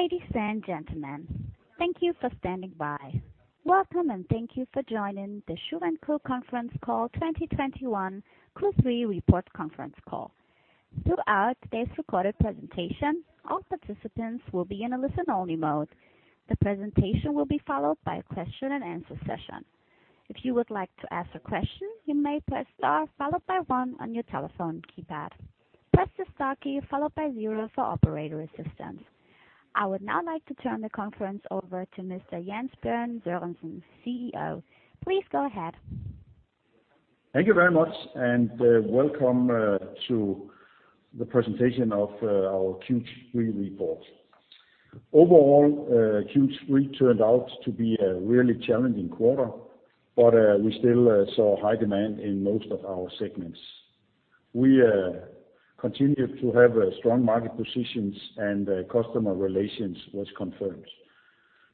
Ladies and gentlemen, thank you for standing by. Welcome, and thank you for joining the Schouw & Co conference call 2021 Q3 report conference call. Throughout today's recorded presentation, all participants will be in a listen only mode. The presentation will be followed by a question-and-answer session. If you would like to ask a question, you may press star followed by one on your telephone keypad. Press the star key followed by zero for operator assistance. I would now like to turn the conference over to Mr. Jens Bjerg Sørensen, CEO. Please go ahead. Thank you very much, and welcome to the presentation of our Q3 report. Overall, Q3 turned out to be a really challenging quarter, but we still saw high demand in most of our segments. We continued to have a strong market positions and customer relations was confirmed.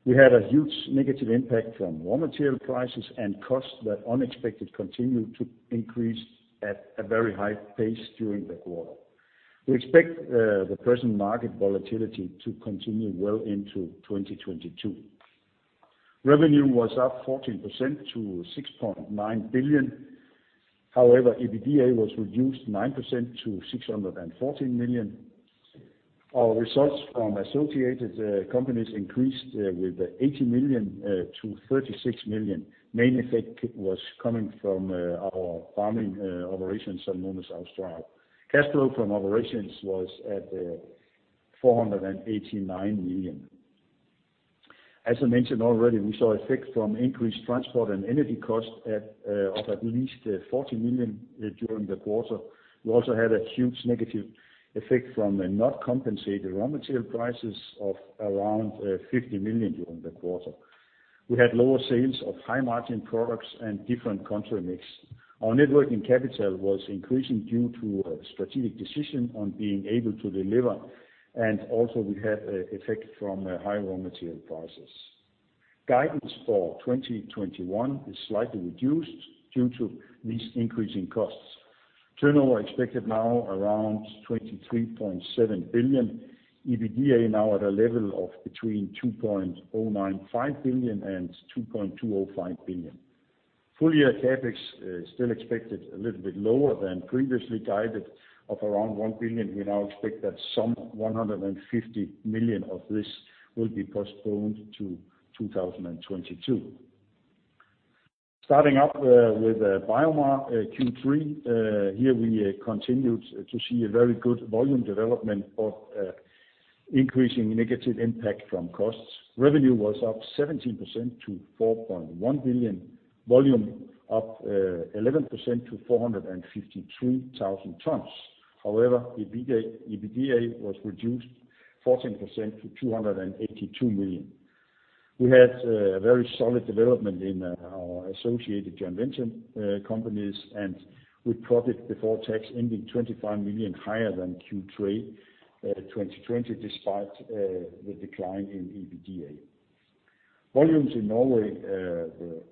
We had a huge negative impact from raw material prices and costs that unexpectedly continued to increase at a very high pace during the quarter. We expect the present market volatility to continue well into 2022. Revenue was up 14% to 6.9 billion. However, EBITDA was reduced 9% to 614 million. Our results from associated companies increased with 80 million to 36 million. Main effect was coming from our farming operations, Salmones Austral. Cash flow from operations was at 489 million. As I mentioned already, we saw effect from increased transport and energy costs of at least 40 million during the quarter. We also had a huge negative effect from not compensated raw material prices of around 50 million during the quarter. We had lower sales of high-margin products and different country mix. Our net working capital was increasing due to a strategic decision on being able to deliver, and also we had an effect from high raw material prices. Guidance for 2021 is slightly reduced due to these increasing costs. Turnover expected now around 23.7 billion. EBITDA now at a level of between 2.095 billion and 2.205 billion. Full year CapEx still expected a little bit lower than previously guided of around 1 billion. We now expect that some 150 million of this will be postponed to 2022. Starting with BioMar Q3. Here we continued to see a very good volume development, but increasing negative impact from costs. Revenue was up 17% to 4.1 billion. Volume up 11% to 453,000 tons. However, EBITDA was reduced 14% to 282 million. We had a very solid development in our associated joint venture companies, and we profit before tax ending 25 million higher than Q3 2020, despite the decline in EBITDA. Volumes in Norway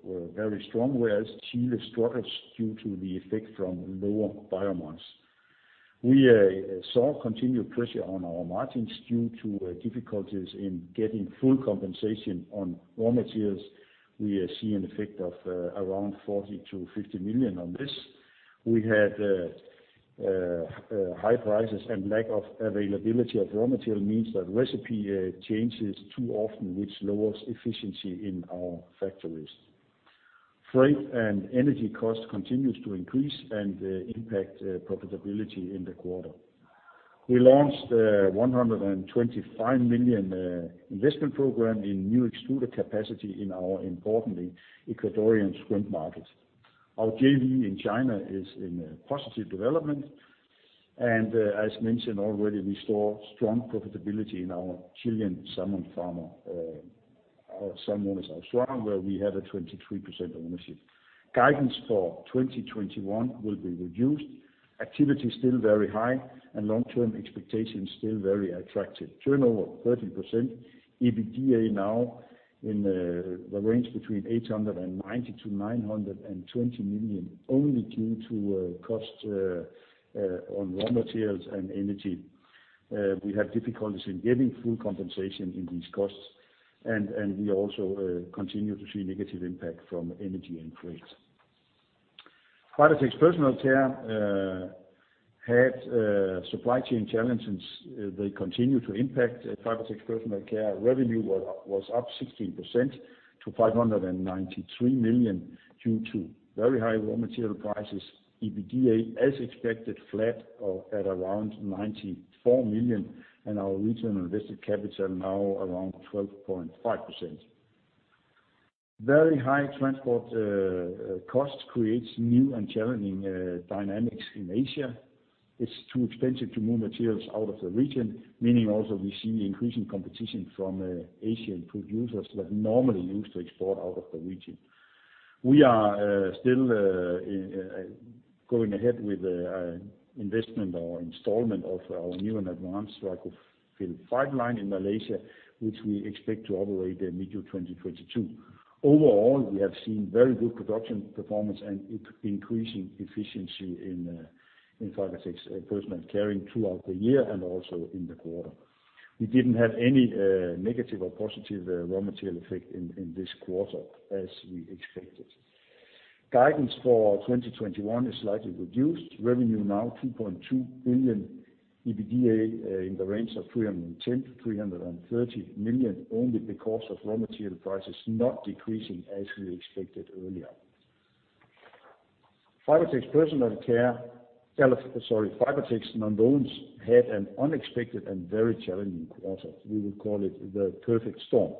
were very strong, whereas Chile struggles due to the effect from lower BioMar. We saw continued pressure on our margins due to difficulties in getting full compensation on raw materials. We see an effect of around 40 million-50 million on this. We had high prices, and lack of availability of raw material means that recipe changes too often, which lowers efficiency in our factories. Freight and energy costs continues to increase and impact profitability in the quarter. We launched 125 million investment program in new extruder capacity in our important Ecuadorian shrimp market. Our JV in China is in a positive development. As mentioned already, we saw strong profitability in our Chilean salmon farmer, Salmones Austral, where we have a 23% ownership. Guidance for 2021 will be reduced. Activity is still very high, and long-term expectations still very attractive. Turnover 13%. EBITDA now in the range between 890 million and 920 million, only due to cost on raw materials and energy. We have difficulties in getting full compensation in these costs, and we also continue to see negative impact from energy and freight. Fibertex Personal Care had supply chain challenges. They continue to impact Fibertex Personal Care. Revenue was up 16% to 593 million due to very high raw material prices. EBITDA, as expected, flat or at around 94 million, and our return on invested capital now around 12.5%. Very high transport costs creates new and challenging dynamics in Asia. It's too expensive to move materials out of the region, meaning also we see increasing competition from Asian producers that normally used to export out of the region. We are still going ahead with investment or installment of our new and advanced polyolefin fiber line in Malaysia, which we expect to operate in mid-2022. Overall, we have seen very good production performance and increasing efficiency in Fibertex Personal Care throughout the year and also in the quarter. We didn't have any negative or positive raw material effect in this quarter as we expected. Guidance for 2021 is slightly reduced. Revenue now 2.2 billion. EBITDA in the range of 310 million-330 million only because of raw material prices not decreasing as we expected earlier. Fibertex Personal Care, sorry, Fibertex Nonwovens had an unexpected and very challenging quarter. We would call it the perfect storm.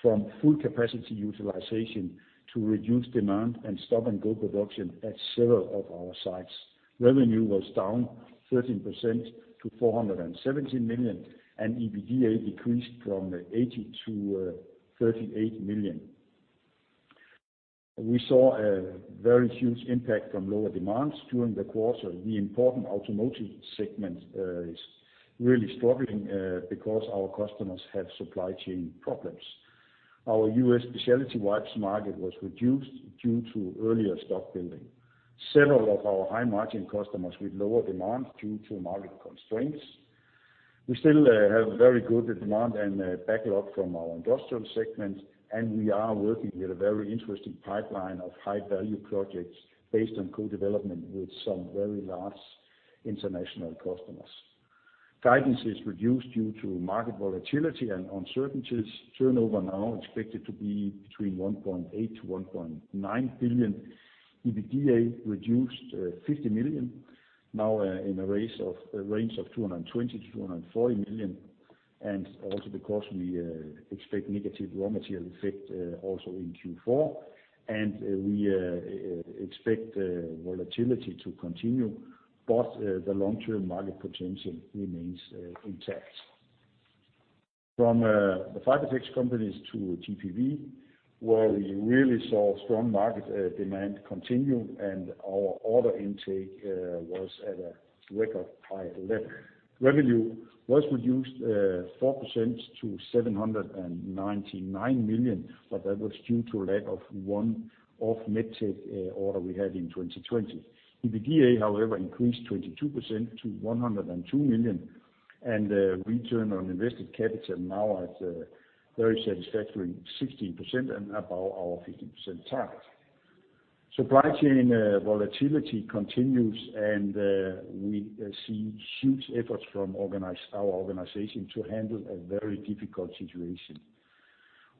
From full capacity utilization to reduced demand and stop and go production at several of our sites. Revenue was down 13% to 417 million, and EBITDA decreased from 80 to 38 million. We saw a very huge impact from lower demands during the quarter. The important automotive segment is really struggling because our customers have supply chain problems. Our U.S. specialty wipes market was reduced due to earlier stock building. Several of our high margin customers with lower demand due to market constraints. We still have very good demand and backlog from our industrial segment, and we are working with a very interesting pipeline of high value projects based on co-development with some very large international customers. Guidance is reduced due to market volatility and uncertainties. Turnover now expected to be between 1.8 billion-1.9 billion. EBITDA reduced 50 million, now in a range of 220 million-240 million. Also because we expect negative raw material effect also in Q4. We expect volatility to continue, but the long-term market potential remains intact. From the Fibertex companies to GPV, where we really saw strong market demand continue and our order intake was at a record high level. Revenue was reduced 4% to 799 million, but that was due to a lack of one-off MedTech order we had in 2020. EBITDA, however, increased 22% to 102 million, and return on invested capital now at very satisfactory 60% and above our 50% target. Supply chain volatility continues and we see huge efforts from our organization to handle a very difficult situation.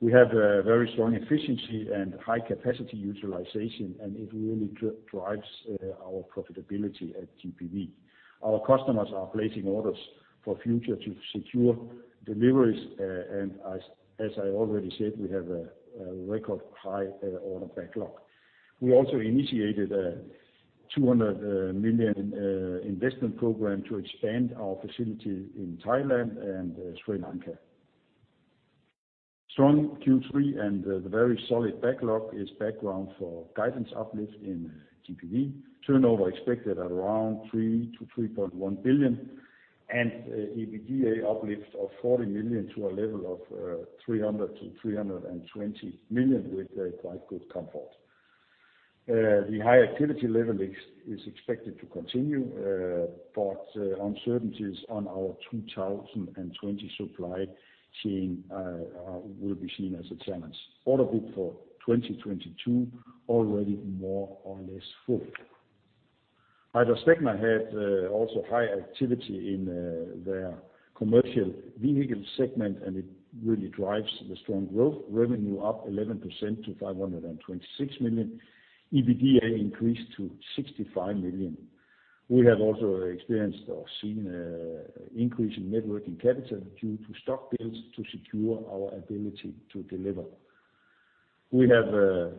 We have a very strong efficiency and high capacity utilization, and it really drives our profitability at GPV. Our customers are placing orders for future to secure deliveries. And as I already said, we have a record high order backlog. We also initiated a 200 million investment program to expand our facility in Thailand and Sri Lanka. Strong Q3 and the very solid backlog is background for guidance uplift in GPV. Turnover expected at around 3 billion-3.1 billion and EBITDA uplift of 40 million to a level of 300 million-320 million with quite good comfort. The high activity level is expected to continue, but uncertainties on our 2020 supply chain will be seen as a challenge. Order book for 2022 already more or less full. HydraSpecma had also high activity in their commercial vehicle segment, and it really drives the strong growth. Revenue up 11% to 526 million. EBITDA increased to 65 million. We have also experienced or seen increase in net working capital due to stock builds to secure our ability to deliver. We have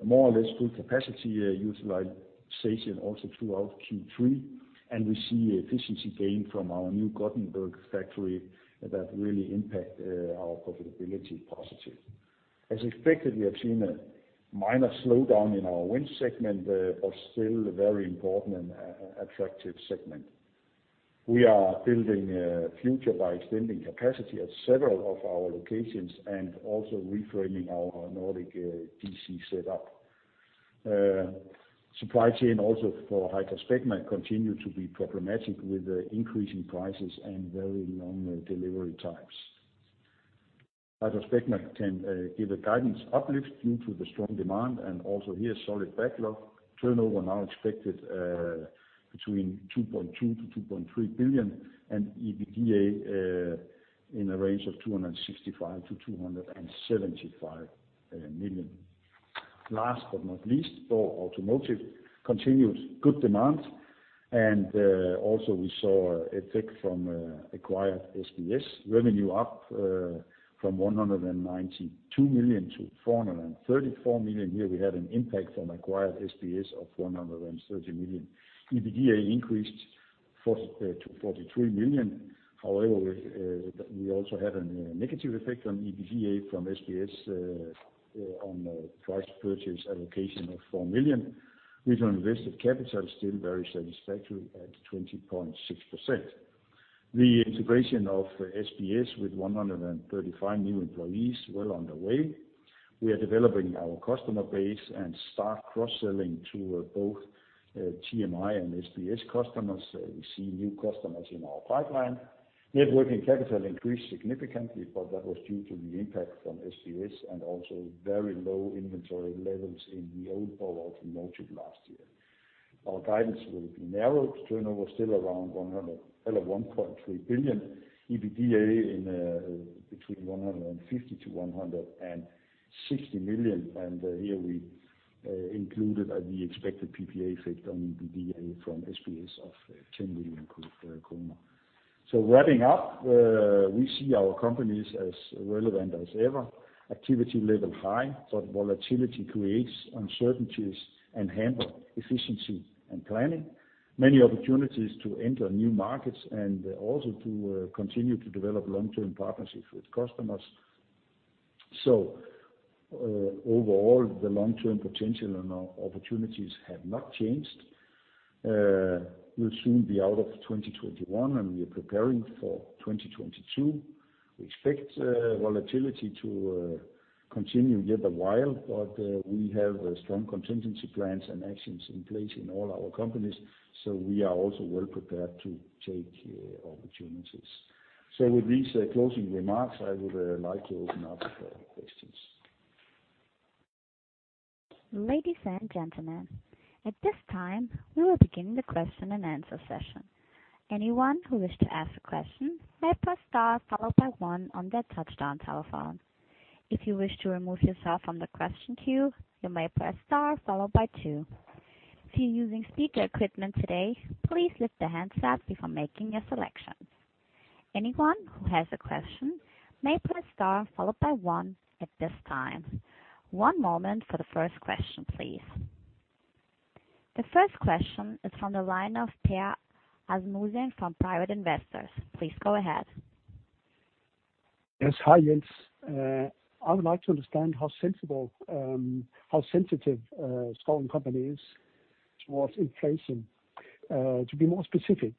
more or less full capacity utilization also throughout Q3, and we see efficiency gain from our new Gothenburg factory that really impact our profitability positive. As expected, we have seen a minor slowdown in our wind segment, but still a very important and attractive segment. We are building a future by extending capacity at several of our locations and also reframing our Nordic DC setup. Supply chain also for HydraSpecma continue to be problematic with the increase in prices and very long delivery times. HydraSpecma can give a guidance uplift due to the strong demand and also here solid backlog. Turnover now expected between 2.2 billion-2.3 billion and EBITDA in a range of 265 million-275 million. Last but not least, Borg Automotive continues good demand. Also we saw effect from acquired SBS. Revenue up from 192 million to 434 million. Here we had an impact from acquired SBS of 430 million. EBITDA increased 40 million-43 million. However, we also had a negative effect on EBITDA from SBS on purchase price allocation of 4 million. Return on invested capital still very satisfactory at 20.6%. The integration of SBS with 135 new employees well underway. We are developing our customer base and start cross-selling to both TMI and SBS customers. We see new customers in our pipeline. Net working capital increased significantly, but that was due to the impact from SBS and also very low inventory levels in the old Powerhouse in March of last year. Our guidance will be narrowed. Turnover still around 1.3 billion. EBITDA between 150 and 160 million. Here we included the expected PPA effect on EBITDA from SBS of DKK 10 million. Wrapping up, we see our companies as relevant as ever. Activity level high, but volatility creates uncertainties in handling efficiency and planning. Many opportunities to enter new markets and also to continue to develop long-term partnerships with customers. Overall, the long-term potential and opportunities have not changed. We'll soon be out of 2021, and we are preparing for 2022. We expect volatility to continue yet a while, but we have strong contingency plans and actions in place in all our companies, so we are also well prepared to take opportunities. With these closing remarks, I would like to open up for questions. Ladies and gentlemen, at this time, we will begin the question and answer session. Anyone who wishes to ask a question may press star followed by one on their touch-tone telephone. If you wish to remove yourself from the question queue, you may press star followed by two. If you're using speaker equipment today, please lift the handset before making your selection. Anyone who has a question may press star followed by one at this time. One moment for the first question, please. The first question is from the line of Per Asmussen from Private Investors. Please go ahead. Yes. Hi, Jens. I would like to understand how sensitive Schouw Company is toward inflation. To be more specific,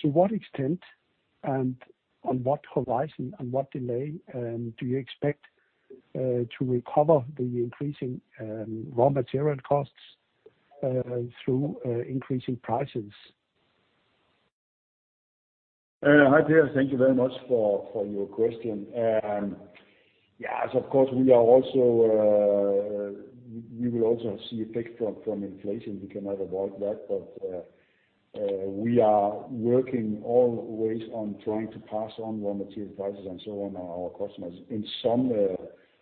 to what extent and on what horizon and what delay do you expect to recover the increasing raw material costs through increasing prices? Hi, Per. Thank you very much for your question. Yes, of course, we will also see effects from inflation. We cannot avoid that. We are working always on trying to pass on raw material prices and so on to our customers. In some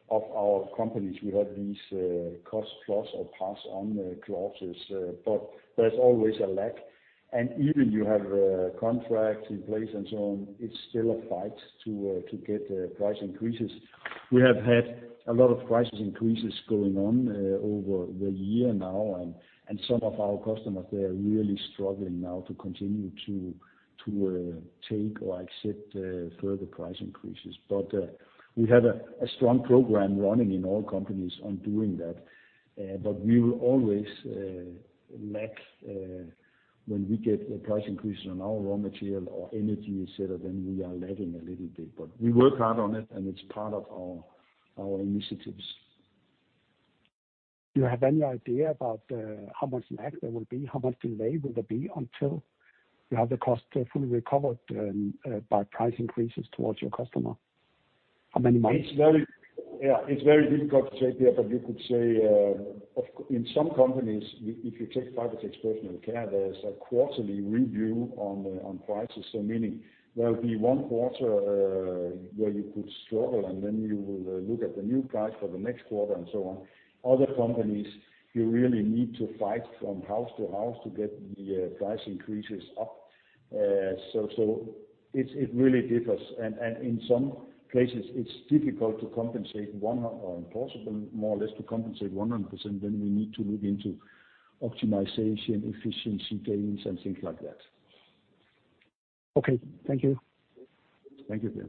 of our companies, we have these cost-plus or pass-on clauses. There's always a lag. Even if you have contracts in place and so on, it's still a fight to get price increases. We have had a lot of price increases going on over the year now, and some of our customers, they are really struggling now to continue to take or accept further price increases. We have a strong program running in all companies on doing that. We will always lag when we get a price increase on our raw material or energy, et cetera, then we are lagging a little bit. We work hard on it, and it's part of our initiatives. Do you have any idea about how much lag there will be? How much delay will there be until you have the cost fully recovered by price increases towards your customer? How many months? It's very difficult to say, Per, but you could say in some companies, if you take Fibertex Personal Care, there's a quarterly review on prices. Meaning there'll be one quarter where you could struggle, and then you will look at the new price for the next quarter and so on. Other companies, you really need to fight from house to house to get the price increases up. It really differs. In some places it's difficult to compensate 100% or impossible more or less to compensate 100%. We need to look into optimization, efficiency gains and things like that. Okay. Thank you. Thank you, Per.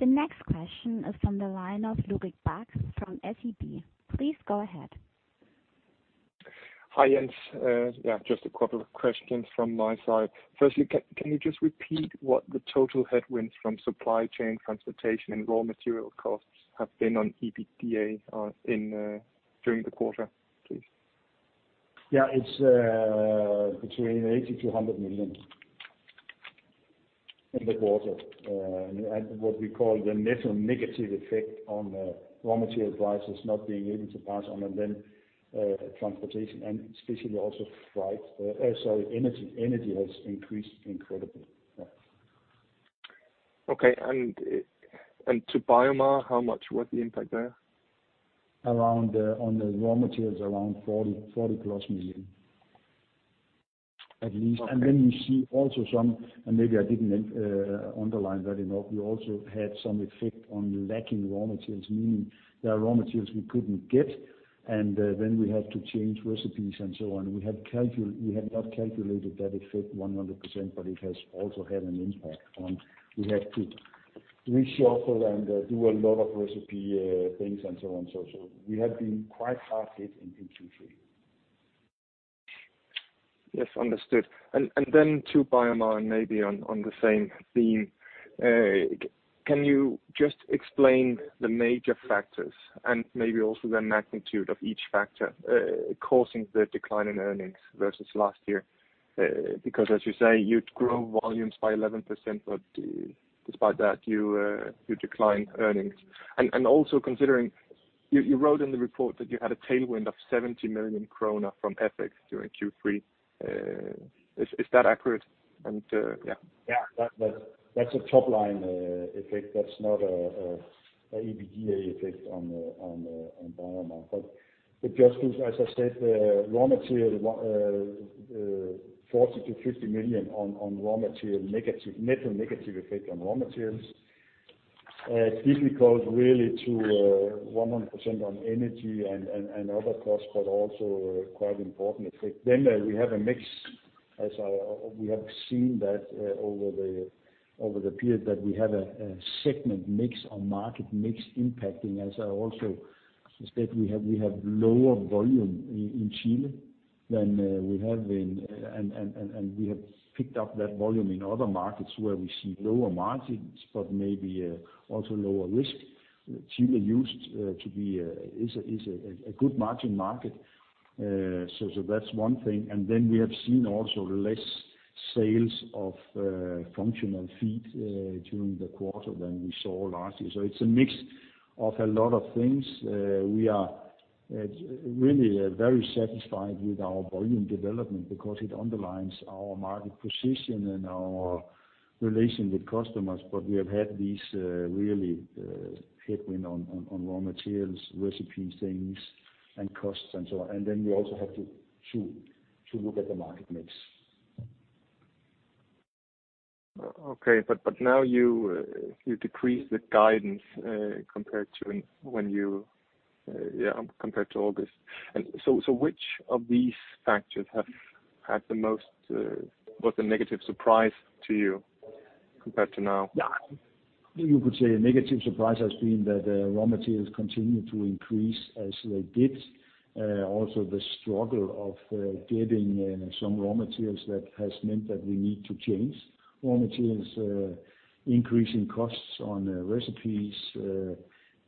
The next question is from the line of Ulrik Bak from SEB. Please go ahead. Hi, Jens. Yeah, just a couple of questions from my side. Firstly, can you just repeat what the total headwinds from supply chain transportation and raw material costs have been on EBITDA during the quarter, please? Yeah. It's between 80 million-100 million in the quarter. What we call the net negative effect on raw material prices not being able to pass on. Transportation, and especially also freight. Sorry, energy. Energy has increased incredibly. Yeah. Okay. To BioMar, how much was the impact there? Around on the raw materials, around 40+ million at least. Okay. Maybe I didn't underline that enough. We also had some effect on lacking raw materials, meaning there are raw materials we couldn't get, and then we had to change recipes and so on. We have not calculated that effect 100%, but it has also had an impact on we have to reshuffle and do a lot of recipe things and so on, so. We have been quite hard hit in Q3. Yes, understood. To BioMar maybe on the same theme. Can you just explain the major factors and maybe also the magnitude of each factor causing the decline in earnings versus last year? Because as you say, you'd grow volumes by 11% but despite that you decline earnings. Also considering you wrote in the report that you had a tailwind of 70 million krone from FX during Q3. Is that accurate? Yeah. Yeah. That's a top line effect. That's not an EBITDA effect on BioMar. It just is as I said, the raw material 40 million-50 million net negative effect on raw materials. Typically passed on to 100% on energy and other costs, but also quite important effect. We have a mix as we have seen that over the period that we have a segment mix or market mix impacting. As I also said, we have lower volume in Chile than we have in other markets. We have picked up that volume in other markets where we see lower margins but maybe also lower risk. Chile is a good margin market. That's one thing. We have seen also less sales of functional feed during the quarter than we saw last year. It's a mix of a lot of things. We are really very satisfied with our volume development because it underlines our market position and our relation with customers. We have had these really headwind on raw materials, recipes things, and costs and so on. We also have to look at the market mix. Okay. Now you decrease the guidance compared to August. Which of these factors was the most negative surprise to you compared to now? Yeah. You could say a negative surprise has been that raw materials continue to increase as they did. Also the struggle of getting some raw materials that has meant that we need to change raw materials, increasing costs on recipes. The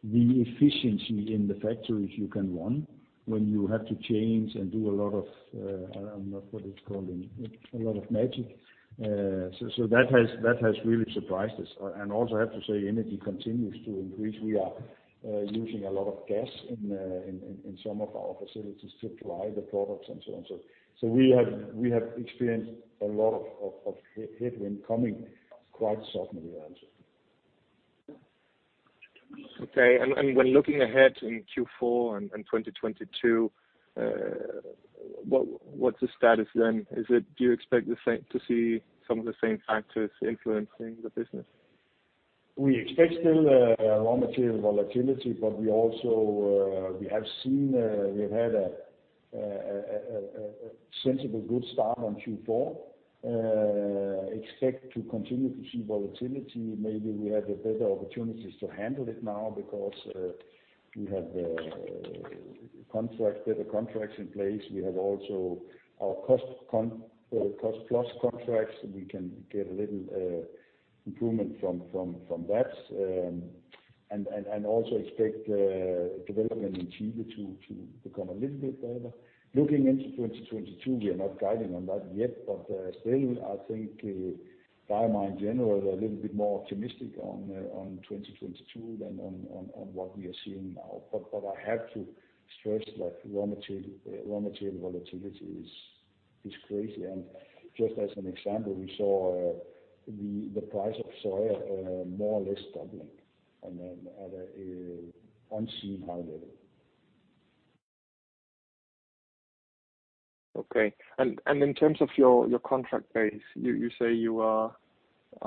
efficiency in the factories you can run when you have to change and do a lot of, I don't know what it's called in, a lot of magic. So that has really surprised us. Also, I have to say energy continues to increase. We are using a lot of gas in some of our facilities to dry the products and so on. So we have experienced a lot of headwind coming quite suddenly actually. Okay. When looking ahead in Q4 and 2022, what's the status then? Is it? Do you expect the same, to see some of the same factors influencing the business? We expect still raw material volatility, but we also we have seen we've had a sensible good start on Q4. Expect to continue to see volatility. Maybe we have a better opportunities to handle it now because we have better contracts in place. We have also our cost plus contracts. We can get a little improvement from that. And also expect development in Chile to become a little bit better. Looking into 2022, we are not guiding on that yet, but still I think BioMar in general are a little bit more optimistic on 2022 than on what we are seeing now. I have to stress like raw material volatility is crazy. Just as an example, we saw the price of soy more or less doubling and then at an unseen high level. Okay. In terms of your contract base, you say you are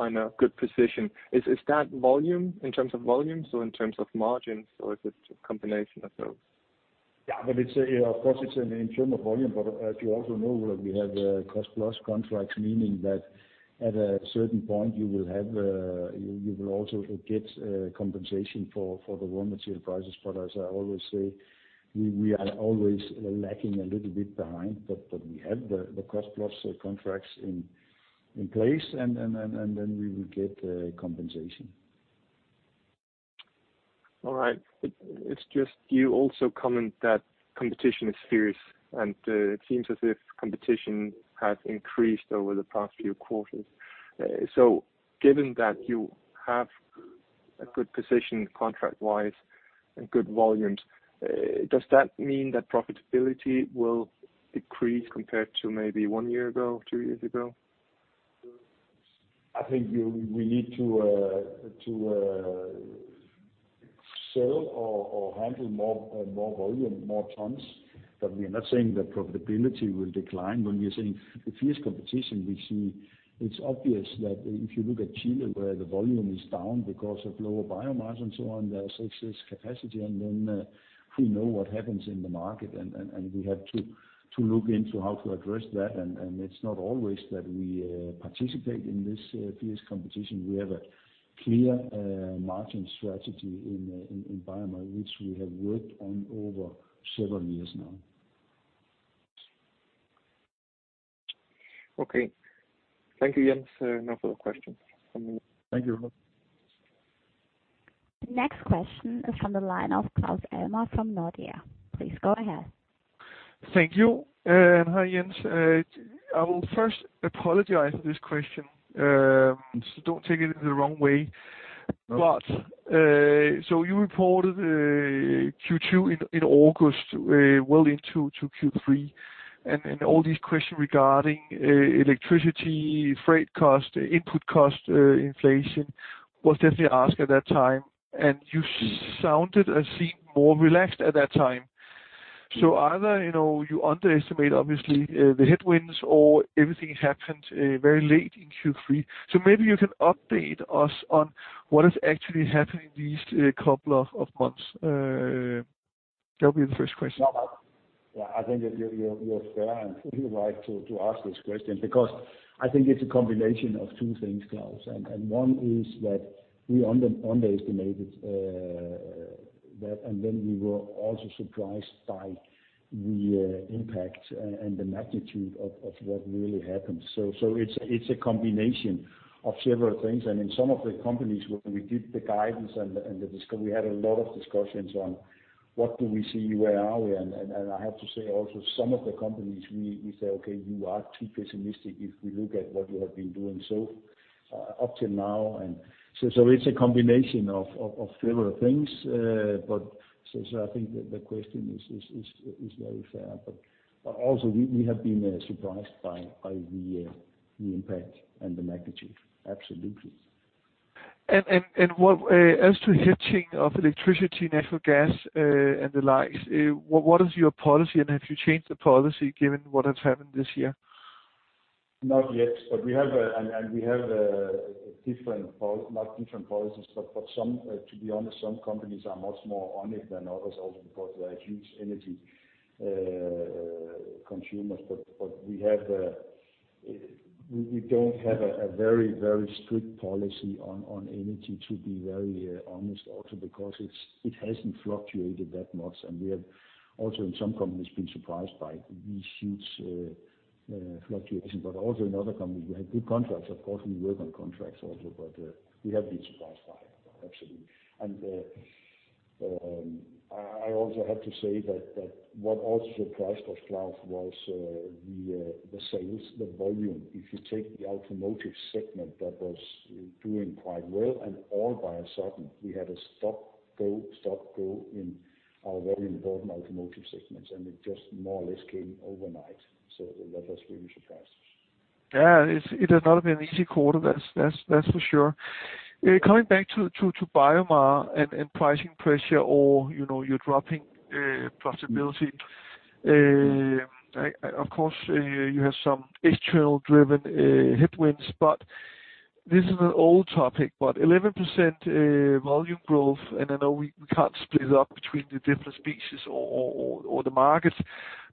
in a good position. Is that volume in terms of volume, so in terms of margins, or is it a combination of those? Yeah, it's, of course, in terms of volume. As you also know, we have cost-plus contracts, meaning that at a certain point you will also get compensation for the raw material prices. As I always say, we are always lagging a little bit behind. We have the cost-plus contracts in place and then we will get compensation. All right. It's just you also comment that competition is fierce and it seems as if competition has increased over the past few quarters. Given that you have a good position contract-wise and good volumes, does that mean that profitability will decrease compared to maybe one year ago, two years ago? I think we need to sell or handle more volume, more tons. We are not saying that profitability will decline. When we are saying the fierce competition we see, it's obvious that if you look at Chile, where the volume is down because of lower biomass and so on, there's excess capacity. We know what happens in the market and we have to look into how to address that. It's not always that we participate in this fierce competition. We have a clear margin strategy in BioMar, which we have worked on over several years now. Okay. Thank you, Jens. No further questions. Thank you. Next question is from the line of Claus Almer from Nordea. Please go ahead. Thank you, hi, Jens. I will first apologize for this question, so don't take it the wrong way. No. You reported Q2 in August, well into Q3, and all these questions regarding electricity, freight cost, input cost, inflation was definitely asked at that time, and you sounded and seemed more relaxed at that time. Either, you know, you underestimate obviously the headwinds or everything happened very late in Q3. Maybe you can update us on what is actually happening these couple of months. That'll be the first question. Yeah. I think that you're fair and completely right to ask this question because I think it's a combination of two things, Claus. One is that we underestimated that, and then we were also surprised by the impact and the magnitude of what really happened. It's a combination of several things. In some of the companies where we did the guidance, we had a lot of discussions on what do we see, where are we? I have to say also, some of the companies, we say, "Okay, you are too pessimistic if we look at what you have been doing so up to now." It's a combination of several things. I think the question is very fair. Also we have been surprised by the impact and the magnitude. Absolutely. As to hedging of electricity, natural gas, and the likes, what is your policy and have you changed the policy given what has happened this year? Not yet, but we have not different policies, but some, to be honest, some companies are much more on it than others also because they are huge energy consumers. We don't have a very strict policy on energy, to be very honest also because it hasn't fluctuated that much. We have also in some companies been surprised by these huge fluctuation. In other companies we have good contracts. Of course, we work on contracts also, but we have been surprised by it. Absolutely. I also have to say that what also surprised us, Claus, was the sales volume. If you take the automotive segment that was doing quite well, and all by a sudden we had a stop, go, stop, go in our very important automotive segments, and it just more or less came overnight. That has really surprised us. Yeah. It has not been an easy quarter. That's for sure. Coming back to BioMar and pricing pressure or, you know, you're dropping profitability. Of course, you have some externally driven headwinds, but this is an old topic. 11% volume growth, and I know we can't split it up between the different species or the markets,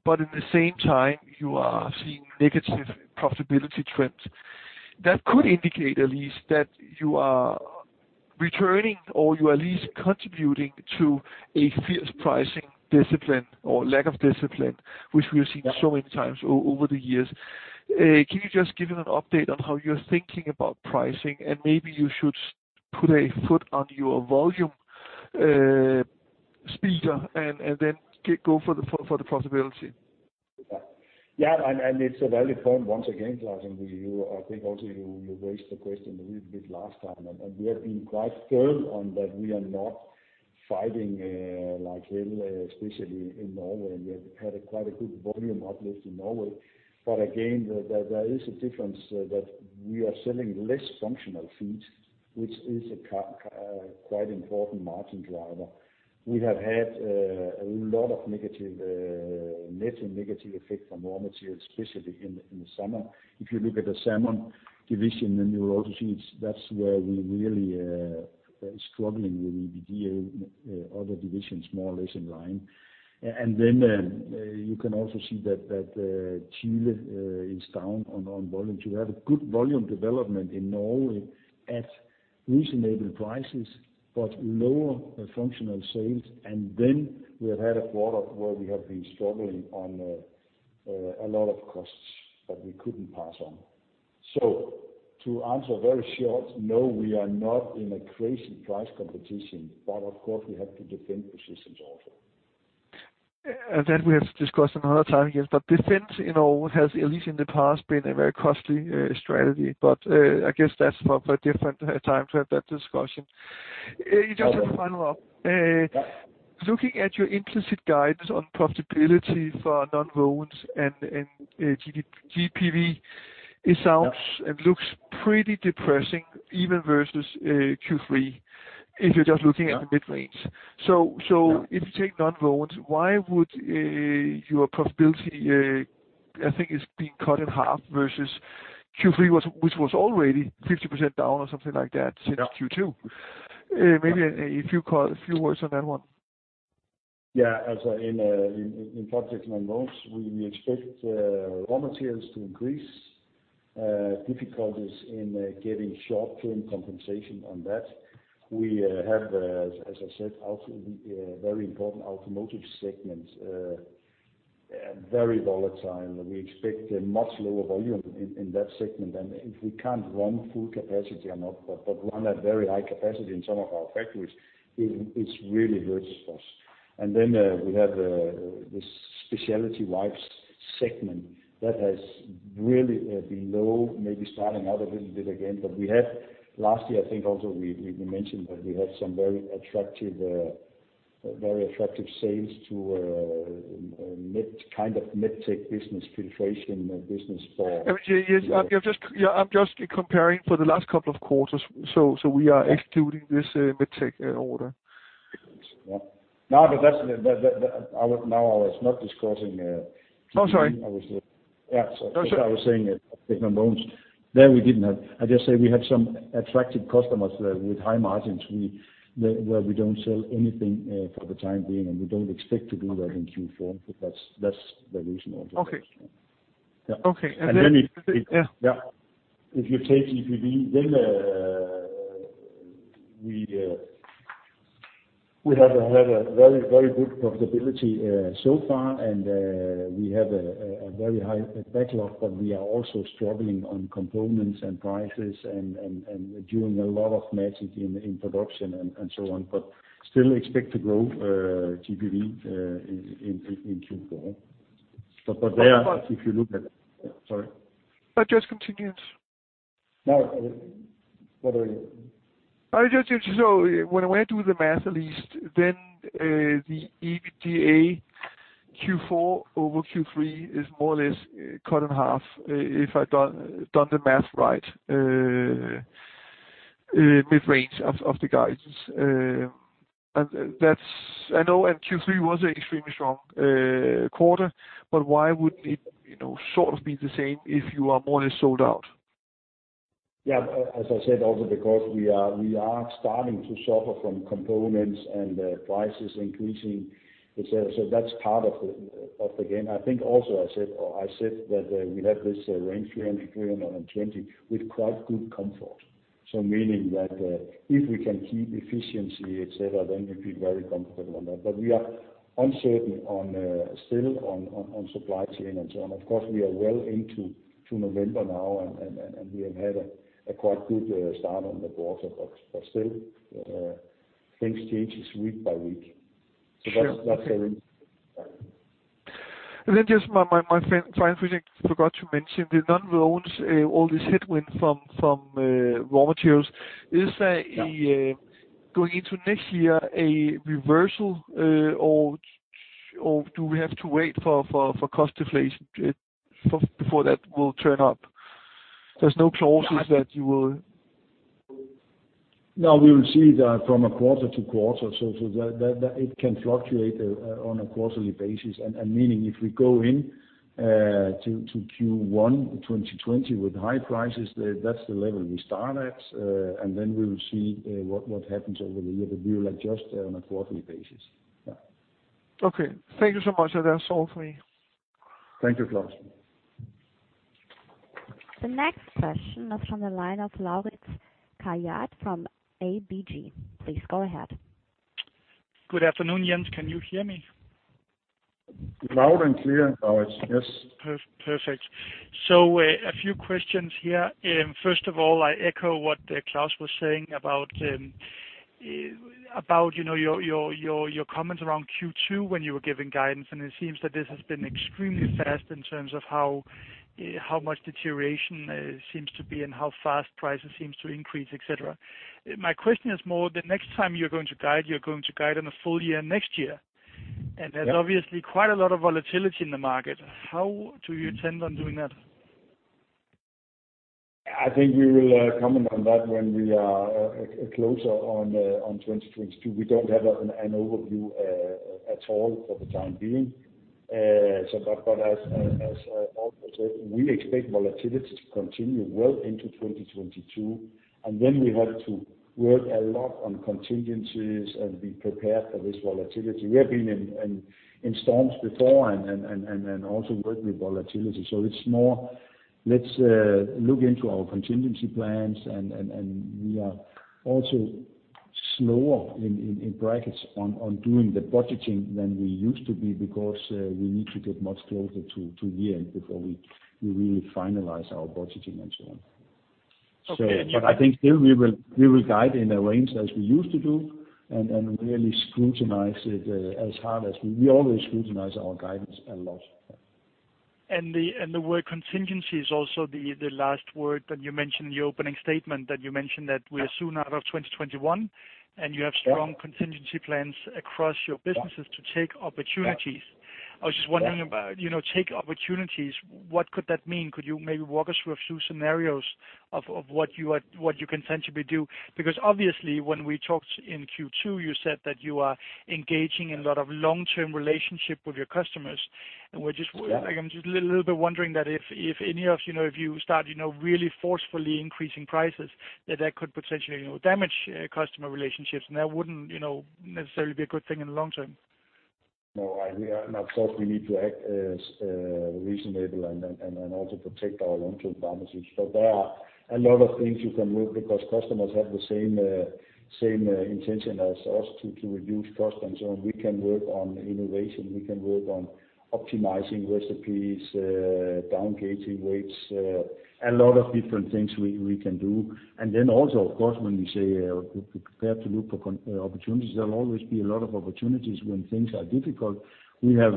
but at the same time you are seeing negative profitability trends. That could indicate at least that you are returning or you are at least contributing to a fierce pricing discipline or lack of discipline, which we have seen so many times over the years. Can you just give an update on how you're thinking about pricing and maybe you should put a foot on your volume speed and then go for the profitability? Yeah. It's a valid point once again, Claus. I think also you raised the question a little bit last time, and we have been quite firm on that we are not fighting like hell, especially in Norway, and we have had quite a good volume uplift in Norway. Again, there is a difference that we are selling less functional feeds, which is a quite important margin driver. We have had a lot of negative net effect from raw material, especially in the summer. If you look at the Salmon division and you look at feeds, that's where we're really struggling with EBITDA. Other divisions more or less in line. You can also see that Chile is down on volume. You have a good volume development in Norway at reasonable prices, but lower functional sales. We have had a quarter where we have been struggling on a lot of costs that we couldn't pass on. To answer very short, no, we are not in a crazy price competition, but of course we have to defend positions also. That we have discussed another time, Jens, but defense, you know, has at least in the past, been a very costly strategy. I guess that's for a different time to have that discussion. Just to follow up. Yeah. Looking at your implicit guidance on profitability for nonwovens and GPV, it sounds- Yeah. Looks pretty depressing even versus Q3 if you're just looking at the mid-range. Yeah. If you take non-owned, why would your profitability I think is being cut in half versus Q3, which was already 50% down or something like that since Q2? Yeah. Maybe a few words on that one. In Fibertex Nonwovens, we expect raw materials to increase, difficulties in getting short-term compensation on that. We have, as I said, very important automotive segment, very volatile. We expect a much lower volume in that segment. If we can't run full capacity or not, but run at very high capacity in some of our factories, it really hurts us. We have this specialty wipes segment that has really been low, maybe starting out a little bit again. We had last year, I think also we mentioned that we had some very attractive sales to kind of MedTech business, filtration business for- I mean, yeah, yes. I'm just comparing for the last couple of quarters. We are executing this MedTech order. No, but I was not discussing. Oh, sorry. I was, yeah. Oh, sure. I was saying that nonwovens, there we didn't have. I just say we had some attractive customers with high margins. Where we don't sell anything for the time being, and we don't expect to do that in Q4, but that's the reason also. Okay. Yeah. Okay. And then if- Yeah. Yeah. If you take EBIT, then we have very good profitability so far. We have a very high backlog, but we are also struggling on components and prices and doing a lot of matching in production and so on. Still expect to grow GPV in Q4. There- But- Sorry? Just continuance. No. What are you? When I do the math at least, the EBITDA Q4 over Q3 is more or less cut in half, if I done the math right, mid-range of the guidance. I know Q3 was an extremely strong quarter, but why wouldn't it sort of be the same if you are more or less sold out? Yeah. As I said also because we are starting to suffer from components and prices increasing, et cetera, so that's part of the gain. I think also I said that we have this range 300-320 with quite good comfort. Meaning that if we can keep efficiency, et cetera, then we feel very comfortable on that. We are uncertain still on supply chain and so on. Of course, we are well into November now and we have had a quite good start on the quarter. Still, things changes week by week. Sure. Okay. That's our Just my final thing I forgot to mention, the nonwovens, all this headwind from raw materials. Is there a- Yeah going into next year a reversal, or do we have to wait for cost deflation before that will turn up? There's no clauses that you will... No, we will see that from a quarter to quarter, so that it can fluctuate on a quarterly basis. Meaning if we go in to Q1 2022 with high prices, that's the level we start at. We will see what happens over the year. We will adjust on a quarterly basis. Yeah. Okay. Thank you so much. That's all for me. Thank you, Claus. The next question is from the line of Laurits Louis Kjærgaard from ABG. Please go ahead. Good afternoon, Jens. Can you hear me? Loud and clear, Laurits, yes. Perfect. So, a few questions here. First of all, I echo what Claus was saying about, you know, your comments around Q2 when you were giving guidance. It seems that this has been extremely fast in terms of how much deterioration seems to be and how fast prices seem to increase, et cetera. My question is more the next time you're going to guide on a full year next year. Yeah. There's obviously quite a lot of volatility in the market. How do you intend on doing that? I think we will comment on that when we are closer on 2022. We don't have an overview at all for the time being. As Claus said, we expect volatility to continue well into 2022, and then we have to work a lot on contingencies and be prepared for this volatility. We have been in storms before and also working with volatility. It's more let's look into our contingency plans and we are also slower in brackets on doing the budgeting than we used to be because we need to get much closer to the end before we really finalize our budgeting and so on. Okay. I think still we will guide in a range as we used to do and really scrutinize it as hard as we always scrutinize our guidance a lot. The word contingency is also the last word that you mentioned in your opening statement, that we are soon out of 2021, and you have strong- Yeah Contingency plans across your businesses. Yeah to take opportunities. Yeah. I was just wondering about, you know, take opportunities, what could that mean? Could you maybe walk us through a few scenarios of what you can potentially do? Because obviously when we talked in Q2, you said that you are engaging in a lot of long-term relationship with your customers. We're just- Yeah. I'm just a little bit wondering that if any of, you know, if you start, you know, really forcefully increasing prices, that could potentially, you know, damage customer relationships, and that wouldn't, you know, necessarily be a good thing in the long term. No idea. Of course, we need to act as reasonable and then also protect our long-term promises. There are a lot of things you can move because customers have the same intention as us to reduce cost, and so we can work on innovation, we can work on optimizing recipes, downgauging weights, a lot of different things we can do. Then also, of course, when we say we're prepared to look for opportunities, there'll always be a lot of opportunities when things are difficult. We have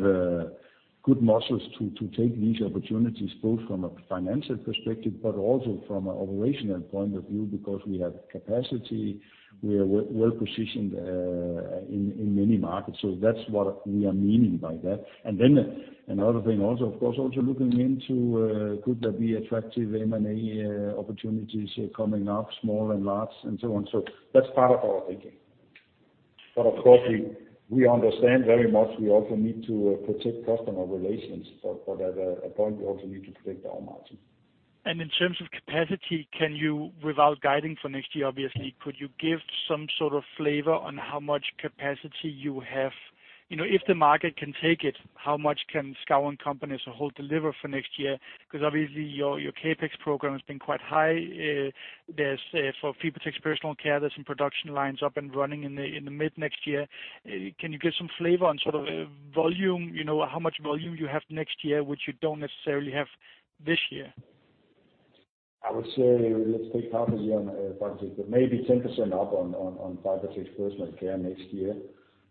good muscles to take these opportunities, both from a financial perspective, but also from an operational point of view because we have capacity, we are well positioned in many markets. That's what we are meaning by that. Another thing also, of course, also looking into could there be attractive M&A opportunities coming up, small and large, and so on. That's part of our thinking. Of course, we understand very much, we also need to protect customer relations. At a point, we also need to protect our margin. In terms of capacity, can you, without guiding for next year, obviously, could you give some sort of flavor on how much capacity you have? You know, if the market can take it, how much can Schouw & Co as a whole deliver for next year? Because obviously, your CapEx program has been quite high. For Fibertex Personal Care, there's some production lines up and running in the mid-next year. Can you give some flavor on sort of volume, you know, how much volume you have next year, which you don't necessarily have this year? I would say let's take half a year on Fibertex, but maybe 10% up on Fibertex Personal Care next year.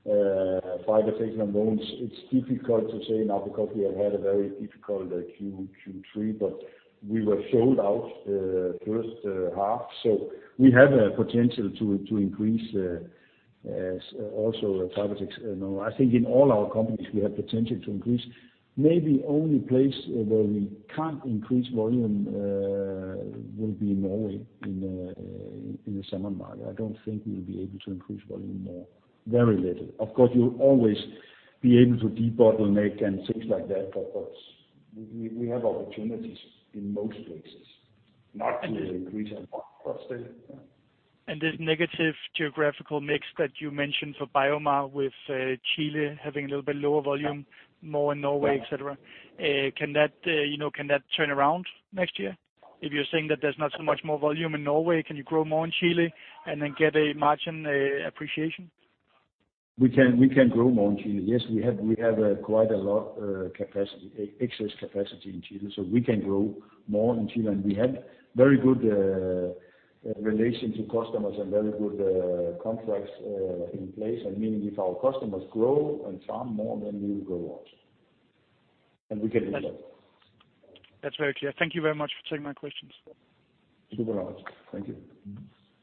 Fibertex Nonwovens, it's difficult to say now because we have had a very difficult Q3, but we were sold out the first half. So we have a potential to increase, as also Fibertex. You know, I think in all our companies we have potential to increase. Maybe only place where we can't increase volume will be Norway in the salmon market. I don't think we'll be able to increase volume more. Very little. Of course, you'll always be able to debottleneck and things like that, but we have opportunities in most places not to increase our And this- Cost, yeah. This negative geographical mix that you mentioned for BioMar with Chile having a little bit lower volume, more in Norway, et cetera, you know, can that turn around next year? If you're saying that there's not so much more volume in Norway, can you grow more in Chile and then get a margin appreciation? We can grow more in Chile. Yes, we have quite a lot capacity, excess capacity in Chile, so we can grow more in Chile. We have very good relation to customers and very good contracts in place. Meaning if our customers grow and farm more, then we will grow also. We can do that. That's very clear. Thank you very much for taking my questions. Super, Laurits. Thank you.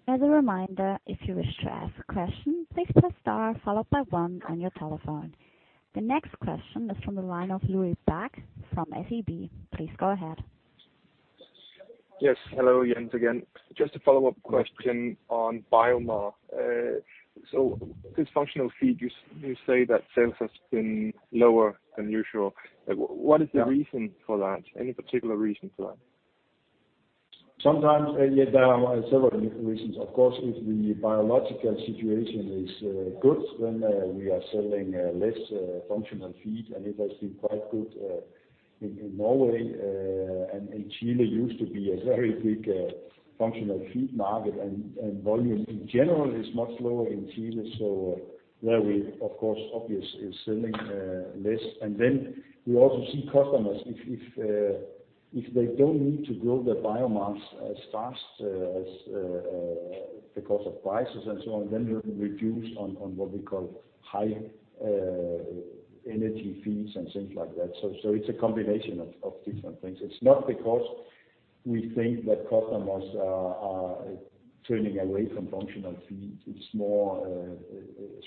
As a reminder, if you wish to ask a question, please press star followed by one on your telephone. The next question is from the line of Ulrik Bak from SEB. Please go ahead. Yes. Hello Jens again. Just a follow-up question on BioMar. So this functional feed, you say that sales has been lower than usual. What is the reason for that? Any particular reason for that? Sometimes, yeah, there are several reasons. Of course, if the biological situation is good, then we are selling less functional feed, and it has been quite good in Norway, and Chile used to be a very big functional feed market. Volume in general is much lower in Chile, so there we obviously are selling less. Then we also see customers if they don't need to grow their biomass as fast because of prices and so on, then we'll reduce on what we call high energy feeds and things like that. It's a combination of different things. It's not because we think that customers are turning away from functional feeds. It's more a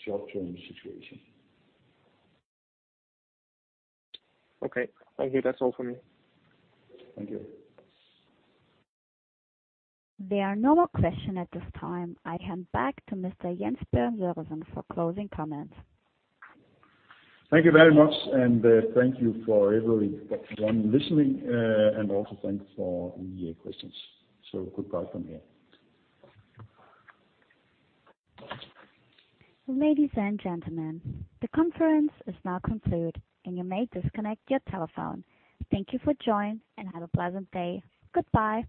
short-term situation. Okay. Thank you. That's all for me. Thank you. There are no more questions at this time. I hand back to Mr. Jens Bjerg Sørensen for closing comments. Thank you very much, and thank you for everyone listening, and also thanks for the questions. Goodbye from here. Ladies and gentlemen, the conference is now concluded, and you may disconnect your telephone. Thank you for joining, and have a pleasant day. Goodbye.